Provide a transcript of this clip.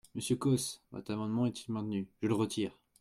Monsieur Causse, votre amendement est-il maintenu ? Je le retire.